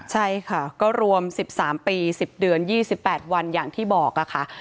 ใช่ค่ะก็รวม๑๓ปี๑๐เดือน๒๘วันอย่างที่บอกค่ะ